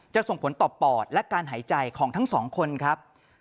ส่งผลต่อปอดและการหายใจของทั้งสองคนครับ